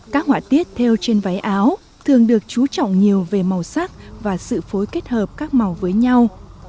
các họa tiết theo trên váy áo thường được chú trọng nhiều về màu sắc và sự phối kết hợp các màu với nhau